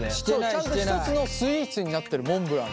ちゃんと一つのスイーツになってるモンブラン。